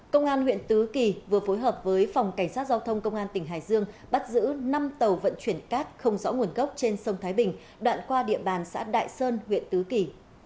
công an huyện tứ kỳ vừa phối hợp với phòng cảnh sát giao thông công an tỉnh hải dương bắt giữ năm tàu vận chuyển cát không rõ nguồn gốc trên sông thái bình đoạn qua địa bàn xã đại sơn huyện tứ kỳ